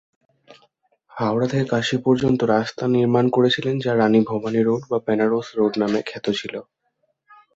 হাওড়া থেকে কাশী পর্যন্ত রাস্তা নির্মান করেছিলেন যা রানী ভবানী রোড বা বেনারস রোড নামে খ্যাত ছিল।